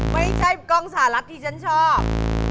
ไม่ใช่กล้องสหรัฐที่ฉันชอบ